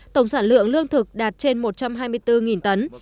tổng sản lượng lương thực đạt trên một trăm hai mươi bốn tấn